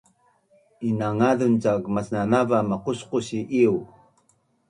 Indangazun cak masnanava maqusqus ii iuu